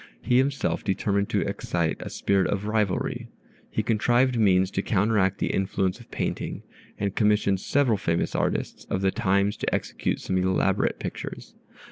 He himself determined to excite a spirit of rivalry. He contrived means to counteract the influence of painting, and commissioned several famous artists of the times to execute some elaborate pictures.